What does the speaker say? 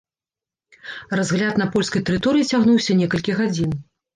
Разгляд на польскай тэрыторыі цягнуўся некалькі гадзін.